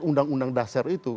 undang undang dasar itu